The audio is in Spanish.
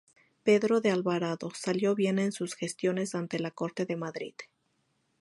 Pedro de Alvarado salió bien en sus gestiones ante la corte de Madrid.